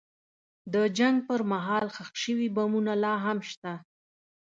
د جنګ پر مهال ښخ شوي بمونه لا هم شته.